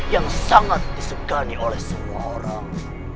yang sangat disegani oleh semua orang